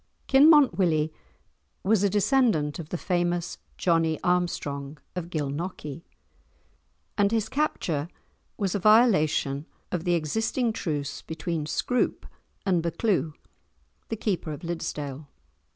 Kinmont Willie was a descendant of the famous Johnie Armstrong of Gilnockie, and his capture was a violation of the existing truce between Scroope and Buccleuch, the Keeper of Liddesdale.